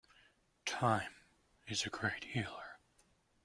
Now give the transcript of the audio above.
Time is a great healer.